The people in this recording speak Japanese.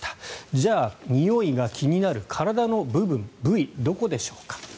じゃあ、においが気になる体の部分、部位はどこでしょうか。